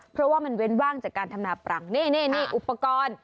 เพราะว่ามันเว้นว่างจากการทำนาปรังนี่นี่อุปกรณ์